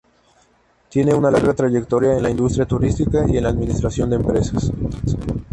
Tiene una larga trayectoria en la industria turística y en la administración de empresas.